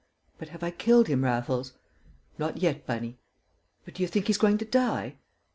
"But have I killed him, Raffles?" "Not yet, Bunny." "But do you think he's going to die?"